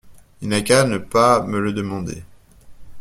Il n’a qu’à ne pas me le demander.